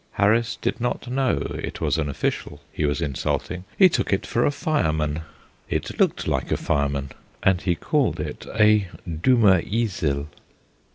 Harris did not know it was an official he was insulting. He took it for a fireman (it looked like a fireman), and he called it a "dummer Esel."